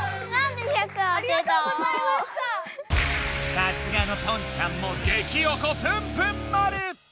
さすがのポンちゃんもげきおこプンプン丸！